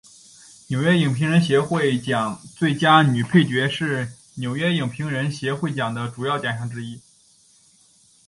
纽约影评人协会奖最佳女配角是纽约影评人协会奖的主要奖项之一。